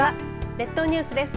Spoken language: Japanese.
列島ニュースです。